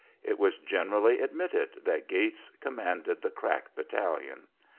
It was generally admitted that Gates commanded the crack battalion.